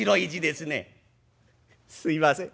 「すいません。